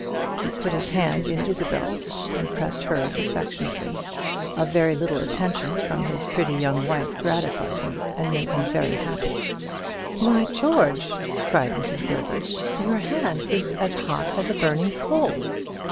He put his hand in Isabel's, and pressed hers affectionately. A very little attention from his pretty young wife gratified him and made him happy. "Why, George," cried Mrs. Gilbert, "your hand is as hot as a burning coal!"